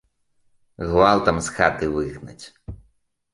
Гвалтам з хаты выгнаць.